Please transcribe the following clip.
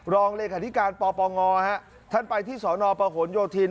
รองเลขาธิการปปงท่านไปที่สนประหลโยธิน